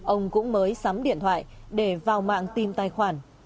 ông cũng mới sắm điện thoại để vào mạng tìm tài khoản